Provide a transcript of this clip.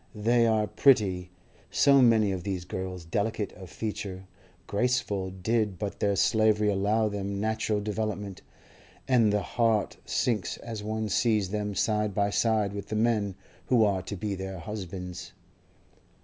They are pretty, so many of these girls, delicate of feature, graceful did but their slavery allow them natural development; and the heart sinks as one sees them side by side with the men who are to be their husbands.